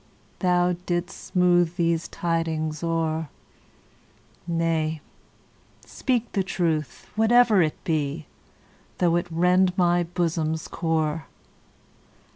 Thou 'dst smooth these tidings o'er,—Nay, speak the truth, whatever it be, Though it rend my bosom's core.